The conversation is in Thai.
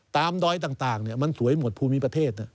ดอยต่างมันสวยหมดภูมิประเทศ